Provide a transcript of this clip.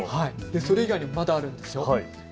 それ以外にまだあるんです。